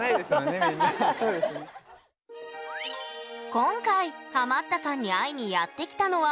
今回ハマったさんに会いにやって来たのは大阪。